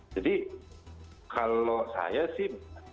jadi kalau saya sih